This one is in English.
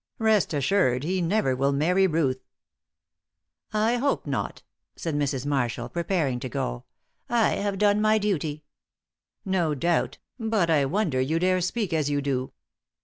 Rest assured he never marry Ruth." "I hope not," said Mrs. Marshall, preparing to go. "I have done my duty." "No doubt, but I wonder you dare speak as you do."